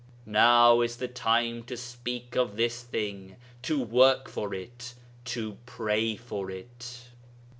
Now is the time to speak of this thing, to work for it, to pray for it.